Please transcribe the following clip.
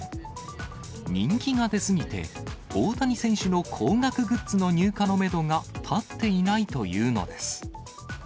人気が出過ぎて、大谷選手の高額グッズの入荷のメドが立っていないというのです。